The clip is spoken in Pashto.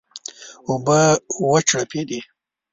اوبه وچړپېدې.